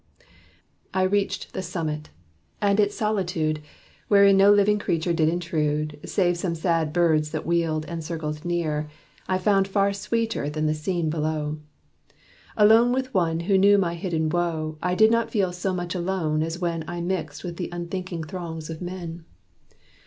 I reached the summit: and its solitude, Wherein no living creature did intrude, Save some sad birds that wheeled and circled near, I found far sweeter than the scene below. Alone with One who knew my hidden woe, I did not feel so much alone as when I mixed with th' unthinking throngs of men.